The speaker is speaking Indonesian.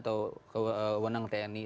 tau kewenang tni